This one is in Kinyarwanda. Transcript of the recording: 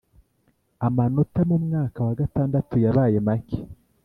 amanota mu mwaka wa gatandatu yabaye make